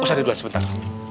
ustadz ridwan sebentar